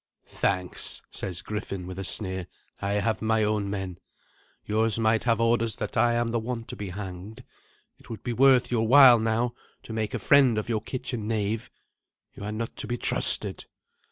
"Thanks," says Griffin, with a sneer; "I have my own men. Yours might have orders that I am the one to be hanged. It would be worth your while now to make a friend of your kitchen knave. You are not to be trusted."